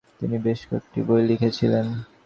তিনি বেশ কয়েকটি বই লিখেছিলেন।